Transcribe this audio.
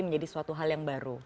menjadi suatu hal yang baru